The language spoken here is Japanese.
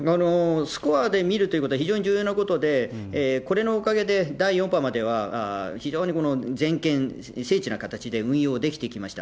スコアで見るということは、非常に重要なことで、これのおかげで、第４波までは、非常に全県、精緻な形で運用できてきました。